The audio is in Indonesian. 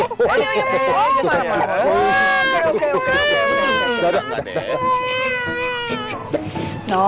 udah udah gak deh